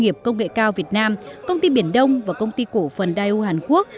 huệ cao việt nam công ty biển đông và công ty cổ phần đài u hàn quốc